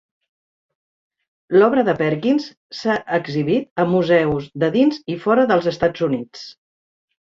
L'obra de Perkins s'ha exhibit a museus de dins i fora dels Estats Units.